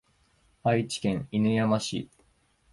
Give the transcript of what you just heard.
愛知県犬山市